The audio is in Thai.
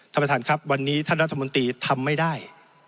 ท่านประธานครับวันนี้ท่านรัฐมนตรีทำไม่ได้